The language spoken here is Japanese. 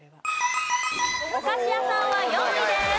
お菓子屋さんは４位です。